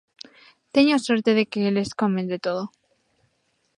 Teño a sorte de que eles comen de todo.